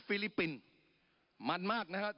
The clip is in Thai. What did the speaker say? ปรับไปเท่าไหร่ทราบไหมครับ